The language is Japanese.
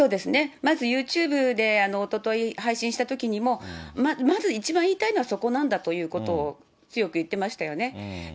まずユーチューブでおととい配信したときにも、まず一番言いたいのはそこなんだということを強く言ってましたよね。